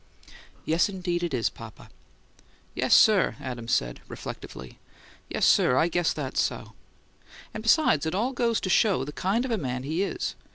"Yes, indeed, it is, papa." "Yes, sir," Adams said, reflectively. "Yes, sir, I guess that's so. And besides, it all goes to show the kind of a man he is.